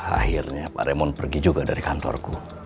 akhirnya pak remon pergi juga dari kantorku